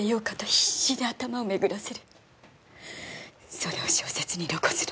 それを小説に残すの。